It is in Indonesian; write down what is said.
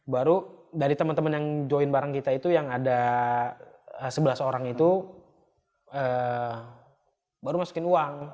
baru dari teman teman yang join bareng kita itu yang ada sebelas orang itu baru masukin uang